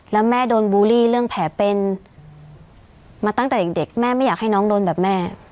แล้วแม่โดนบูลลี่เรื่องแผลเป็นมาตั้งแต่เด็กแม่ไม่อยากให้น้องโดนแบบแม่